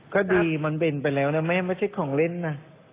ก็ดีมันเป็นไปแล้วนะแม่ไม่ใช่ของเล่นนะ